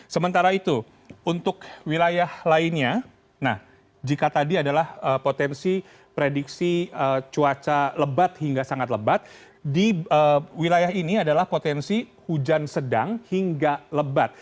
sementara itu untuk wilayah lainnya nah jika tadi adalah potensi prediksi cuaca lebat hingga sangat lebat di wilayah ini adalah potensi hujan sedang hingga lebat